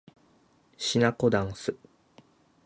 しなこだんす